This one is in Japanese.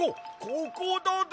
ここだで！